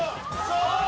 そう！